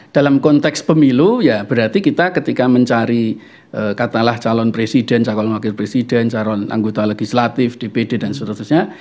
dalam konteks pemilu ya berarti kita ketika mencari katakanlah calon presiden calon wakil presiden calon anggota legislatif dpd dan seterusnya